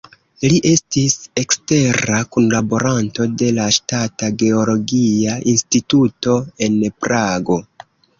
Li estis ekstera kunlaboranto de la Ŝtata Geologia Instituto en Prago.